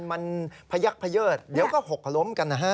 มันพยักพะเยิดเดี๋ยวก็หกล้มกันนะฮะ